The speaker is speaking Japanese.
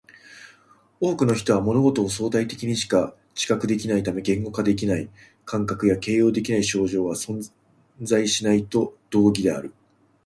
多くの人は物事を相対的にしか知覚できないため、言語化できない感覚や形容できない症状は存在しないと同義である